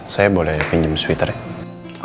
saya boleh pinjem sweater ya